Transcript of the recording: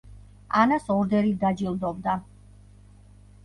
ანას ორდერით დაჯილდოვდა.